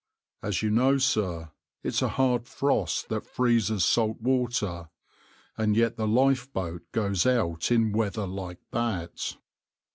As you know, sir, it's a hard frost that freezes salt water, and yet the lifeboat goes out in weather like that."